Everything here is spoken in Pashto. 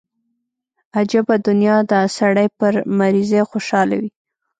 عجبه دنيا ده سړى پر مريضۍ خوشاله وي.